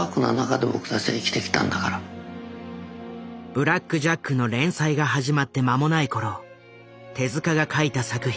「ブラック・ジャック」の連載が始まって間もない頃手が書いた作品。